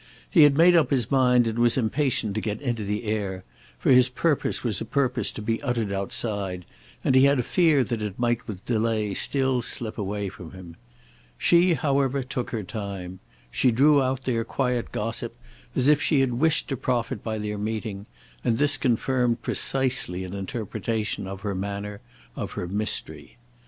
He had made up his mind and was impatient to get into the air; for his purpose was a purpose to be uttered outside, and he had a fear that it might with delay still slip away from him. She however took her time; she drew out their quiet gossip as if she had wished to profit by their meeting, and this confirmed precisely an interpretation of her manner, of her mystery.